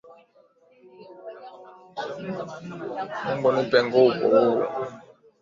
Mungu nipe nguvu.